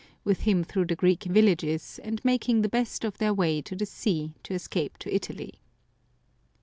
" with him through the Greek villages, and making the best of their way to the sea to escape to Italy.